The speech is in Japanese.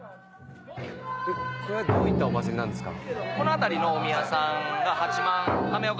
これはどういったお祭りなんですか？